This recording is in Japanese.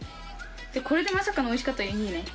これでまさかのおいしかったらいいね。